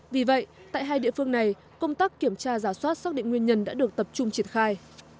vì vậy tại hai địa phương này công tác kiểm tra giả soát xác định nguyên nhân đã được tập trung triển khai